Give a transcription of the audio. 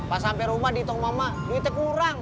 pas sampai rumah dihitung mama duitnya kurang